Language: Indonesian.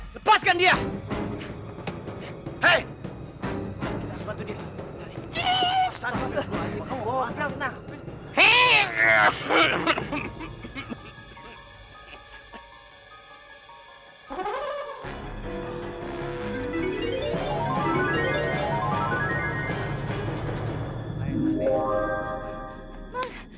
mas aku mau mandas